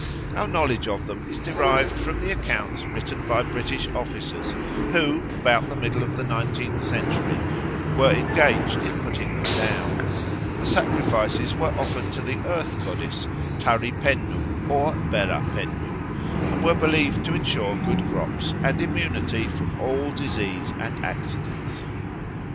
Our knowledge of them is derived from the accounts written by British officers who, about the middle of the nineteenth century, were engaged in putting them down. The sacrifices were offered to the Earth Goddess. Tari Pennu or Bera Pennu, and were believed to ensure good crops and immunity from all disease and accidents.